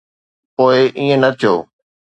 پوءِ ائين نه ٿيو.